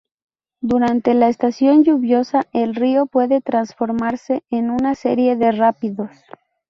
Durante la estación lluviosa, el río puede transformarse en una serie de rápidos.